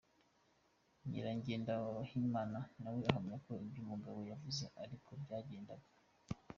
Nyirangendahimana nawe ahamya ko ibyo umugabo yavuze ariko byagendaga.